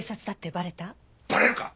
バレるか！